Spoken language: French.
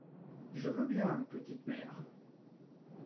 je veux bien, petite Mère.